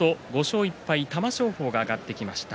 狼雅と玉正鳳が上がってきました。